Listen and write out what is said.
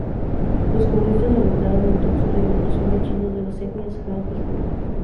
Los comunistas alentaron entonces la inmigración de chinos de las etnias han y hui.